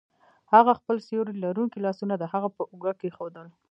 هغه خپل سیوري لرونکي لاسونه د هغه په اوږه کیښودل